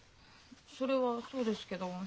それはそうですけど。